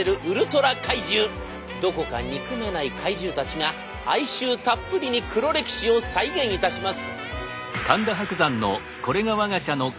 どこか憎めない怪獣たちが哀愁たっぷりに黒歴史を再現いたします。